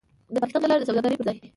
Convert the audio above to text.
د پاکستان له لارې د سوداګرۍ پر ځای